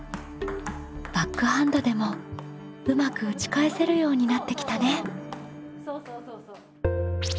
バックハンドでもうまく打ち返せるようになってきたね。